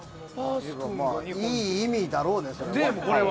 いい意味だろうね、それは。